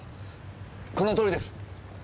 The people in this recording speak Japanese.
このとおりです！